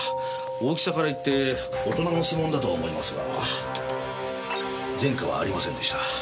大きさからいって大人の指紋だとは思いますが前科はありませんでした。